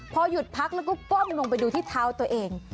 พอหยุดพักแล้วก็ก้มลงไปดูที่เท้าตัวเอง